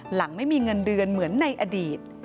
หลังไม่มีเงินเดือนเหมือนในอดีต